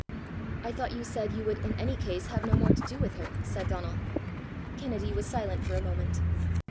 "I thought you said you would in any case have no more to do with her!" said Donal. Kennedy was silent for a moment.